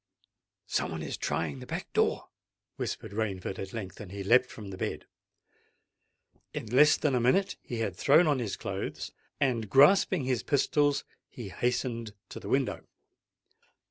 "Some one is trying the back door," whispered Rainford at length; and he leapt from the bed. In less than a minute he had thrown on his clothes; and grasping his pistols, he hastened to the window.